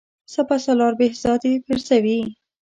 سپه سالار بهزاد یې پرزوي.